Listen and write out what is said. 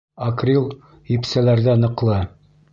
Акрил епсәләр ҙә ныҡлы.